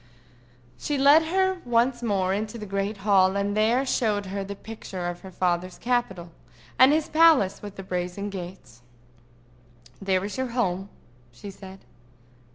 She led her once more into the great hall, and there showed her the picture of her father's capital, and his palace with the brazen gates. "There is your home," she said.